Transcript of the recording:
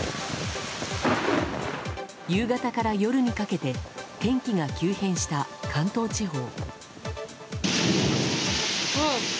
夕方から夜にかけて天気が急変した関東地方。